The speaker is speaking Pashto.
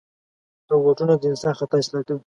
روبوټونه د انسان خطا اصلاح کوي.